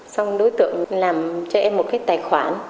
xong đối tượng làm cho em một tài khoản